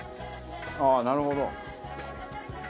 ああなるほど。